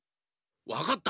わかった。